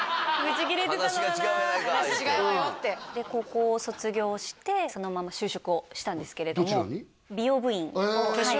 言うてで高校を卒業してそのまま就職をしたんですけれどもどちらに？